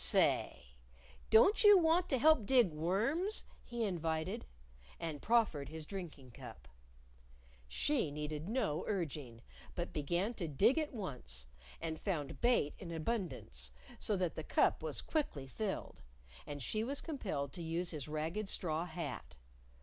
"Say! Don't you want to help dig worms?" he invited. And proffered his drinking cup. She needed no urging, but began to dig at once; and found bait in abundance, so that the cup was quickly filled, and she was compelled to use his ragged straw hat.